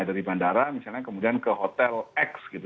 dari bandara misalnya kemudian ke hotel x gitu